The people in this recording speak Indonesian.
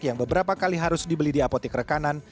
yang beberapa kali harus dibeli di apotek rekanan